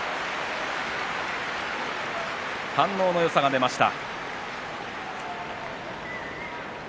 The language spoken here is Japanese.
反応のよさが出ました。